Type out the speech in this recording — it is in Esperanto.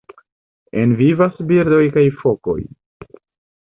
En vivas birdoj kaj fokoj.